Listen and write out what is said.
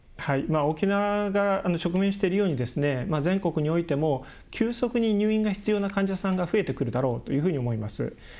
沖縄が直面しているように全国においても、急速に入院が必要な患者さんが増えてくるだろうというふうに思います。